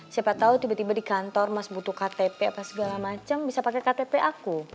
siapa tahu tiba tiba di kantor mas butuh ktp apa segala macam bisa pakai ktp aku